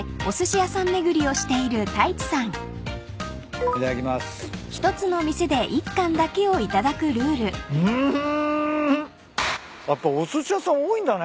やっぱおすし屋さん多いんだね。